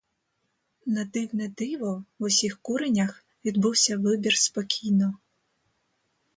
На дивне диво, в усіх куренях відбувся вибір спокійно.